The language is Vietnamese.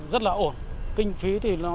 rất là ổn kinh phí thì nó